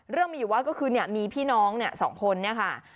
เรื่องมีอยู่ว่าก็คือมีพี่น้อง๒คนเนี่ยค่ะ